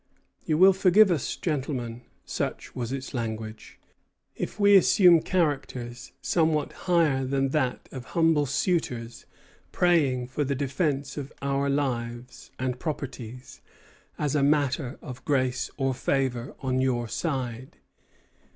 "You will forgive us, gentlemen," such was its language, "if we assume characters somewhat higher than that of humble suitors praying for the defence of our lives and properties as a matter of grace or favor on your side.